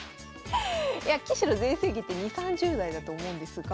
いや棋士の全盛期って２０３０代だと思うんですが。